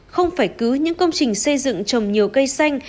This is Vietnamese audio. không phải cứ những công trình xây dựng trồng nhiều cây xanh